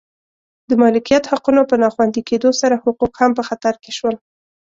د مالکیت حقونو په نا خوندي کېدو سره حقوق هم په خطر کې شول